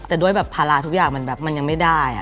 แต่ด้วยภาระทุกอย่างมันยังไม่ได้อะ